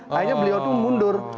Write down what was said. akhirnya beliau itu mundur